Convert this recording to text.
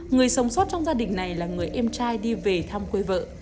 người sống sót trong gia đình này là người em trai đi về thăm quê vợ